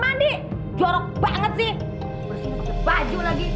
nanti aku parahin ma